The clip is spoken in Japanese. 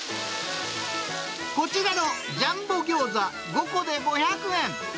こちらのジャンボギョーザ、５個で５００円。